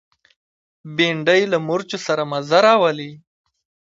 بېنډۍ له مرچو سره مزه راولي